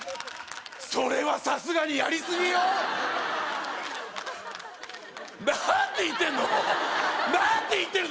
それはさすがにやり過ぎよ何て言ってんの？